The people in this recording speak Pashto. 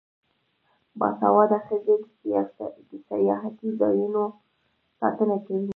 باسواده ښځې د سیاحتي ځایونو ساتنه کوي.